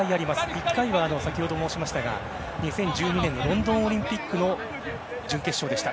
１回は、先ほど申しましたが２０１２年のロンドンオリンピックの準決勝でした。